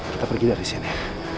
kita pergi dari sini